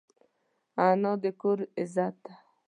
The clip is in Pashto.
انا د کور عزت ده